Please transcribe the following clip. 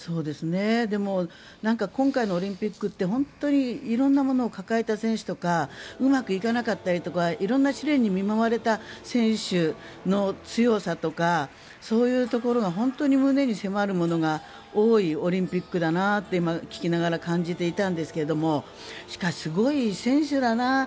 でも今回のオリンピックって本当に色んなものを抱えた選手とかうまくいかなかったりとか色んな試練に見舞われた選手の強さとかそういうところが本当に胸に迫るものが多いオリンピックだなって今、聞きながら感じていたんですけどもしかし、すごい選手だな。